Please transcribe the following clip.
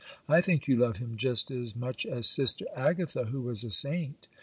I think you love Him just as much as sister Agatha, who was a saint.